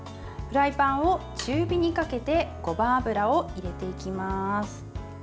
フライパンを中火にかけてごま油を入れていきます。